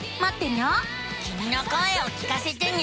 きみの声を聞かせてね。